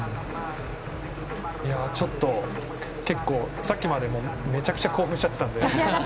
ちょっと結構さっきまでめちゃくちゃ興奮してたので。